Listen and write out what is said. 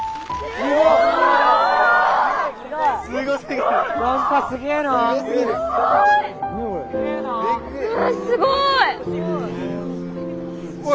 うわすごい！